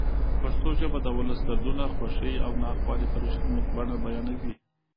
پښتو ژبه د ولس دردونه، خوښۍ او ناخوالې په رښتینې بڼه بیانوي.